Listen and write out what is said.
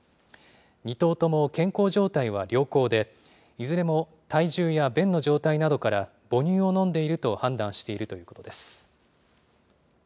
２頭とも健康状態は良好で、いずれも体重や便の状態などから、母乳を飲んでいると判断しているということです。